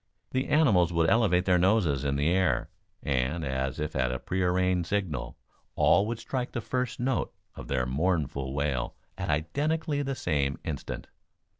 The animals would elevate their noses in the air, and, as if at a prearranged signal, all would strike the first note of their mournful wail at identically the same instant.